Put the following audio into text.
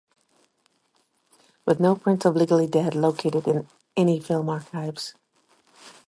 With no prints of "Legally Dead" located in any film archives.